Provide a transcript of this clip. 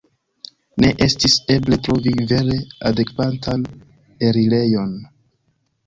Ne estis eble trovi vere adekvatan elirejon.